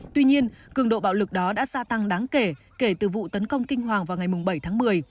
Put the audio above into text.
tuy nhiên cường độ bạo lực đó đã gia tăng đáng kể kể từ vụ tấn công kinh hoàng vào ngày bảy tháng một mươi